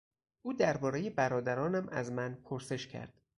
او دربارهی برادرانم از من پرسش کرد.